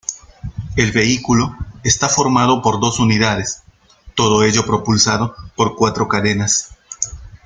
El vehículo está formado por dos unidades, todo ello propulsado por cuatro cadenas.